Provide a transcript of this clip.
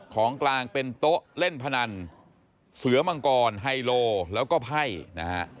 ของกลางเป็นโต๊ะเล่นพนันเสือมังกรไฮโลแล้วก็ไพ่นะฮะ